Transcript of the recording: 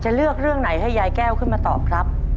เลือกเรื่องไหนให้ยายแก้วขึ้นมาตอบครับ